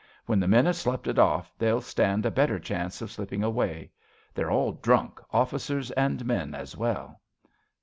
When the men have slep it off They'll stand a better chance of slipping away. They're all drunk, officers and men ai well.